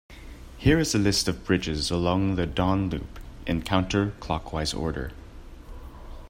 Here is a list of bridges along the Don Loop in counter-clockwise order.